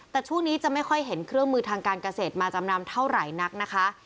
แต่ช่วงนี้จะไม่ค่อยเห็นเครื่องมือทางการเกษตรมาจำนำเท่าไหร่นักนะคะ